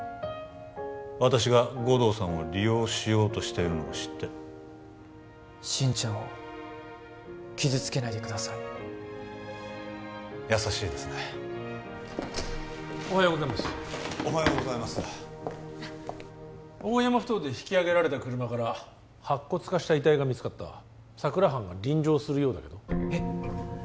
私が護道さんを利用しようとしているのを知って心ちゃんを傷つけないでください優しいですねおはようございますおはようございます大山ふ頭で引きあげられた車から白骨化した遺体が見つかった佐久良班が臨場するようだけどえっ？